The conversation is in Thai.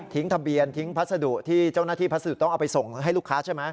ทะเบียนทิ้งพัสดุที่เจ้าหน้าที่พัสดุต้องเอาไปส่งให้ลูกค้าใช่ไหม